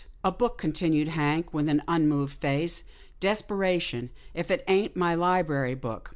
" A book," continued Hank with an unmoved face. "Desperation! if it ain't my library book.